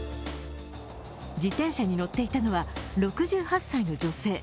自転車に乗っていたのは６８歳の女性。